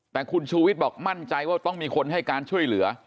แต่คุณชูวิทย์บอกมั่นใจว่าต้องมีคนให้การช่วยเหลือ